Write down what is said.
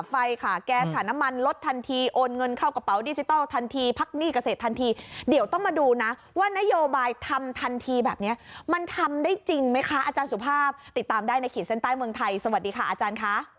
ไฟค่ะแก๊สค่ะน้ำมันลดทันทีโอนเงินเข้ากระเป๋าดิจิทัลทันทีพักหนี้เกษตรทันทีเดี๋ยวต้องมาดูนะว่านโยบายทำทันทีแบบนี้มันทำได้จริงไหมคะอาจารย์สุภาพติดตามได้ในขีดเส้นใต้เมืองไทยสวัสดีค่ะอาจารย์ค่ะ